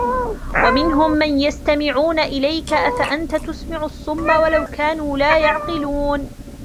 وَمِنْهُمْ مَنْ يَسْتَمِعُونَ إِلَيْكَ أَفَأَنْتَ تُسْمِعُ الصُّمَّ وَلَوْ كَانُوا لَا يَعْقِلُونَ